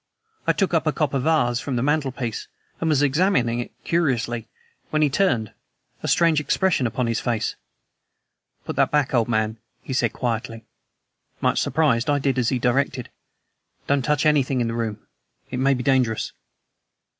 I took up a copper vase from the mantelpiece, and was examining it curiously, when he turned, a strange expression upon his face. "Put that back, old man," he said quietly. Much surprised, I did as he directed. "Don't touch anything in the room. It may be dangerous."